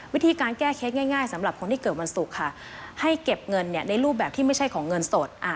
วิธีการแก้เค้กง่ายสำหรับคนที่เกิดวันศุกร์ค่ะให้เก็บเงินในรูปแบบที่ไม่ใช่ของเงินสด